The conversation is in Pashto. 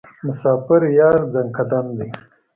مسافر یار ځانکدن دی.